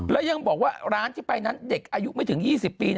แล้วยังบอกว่าร้านที่ไปนั้นเด็กอายุไม่ถึง๒๐ปี